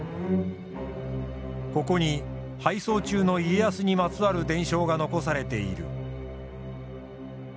ここに敗走中の家康にまつわる伝承が残されている。